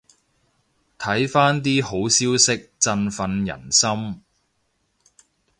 睇返啲好消息振奮人心